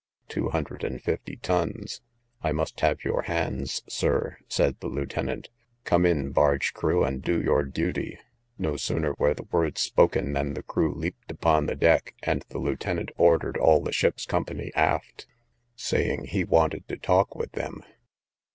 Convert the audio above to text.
—Two hundred and fifty tons. I must have your hands, sir, said the lieutenant: come in, barge crew, and do your duty. No sooner were the words spoken, than the crew leaped upon the deck, and the lieutenant ordered all the ship's company aft, saying he wanted to talk with them.